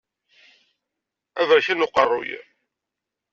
Aberkan uqerruy.